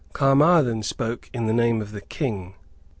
Caermarthen spoke in the name of the King.